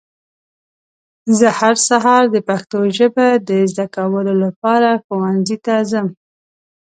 زه هر سهار د پښتو ژبه د ذده کولو لپاره ښونځي ته ځم.